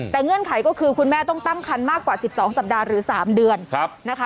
แต่เงื่อนไขก็คือคุณแม่ต้องตั้งคันมากกว่า๑๒สัปดาห์หรือ๓เดือนนะคะ